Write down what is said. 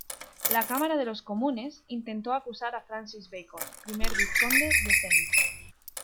La Cámara de los Comunes intentó acusar a Francis Bacon, I vizconde de St.